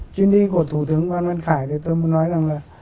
chuyến đi của thủ tướng pháp luân khải thì tôi muốn nói rằng là